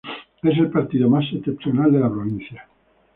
Es el partido más septentrional de la provincia.